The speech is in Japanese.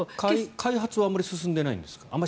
開発はあまり進んでないんですか？